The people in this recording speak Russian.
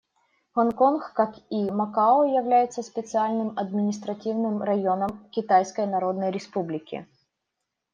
Гонконг, как и Макао, является специальным административным районом Китайской Народной Республики.